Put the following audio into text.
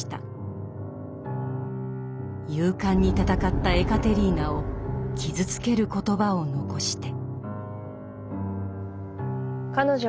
勇敢に戦ったエカテリーナを傷つける言葉を残して。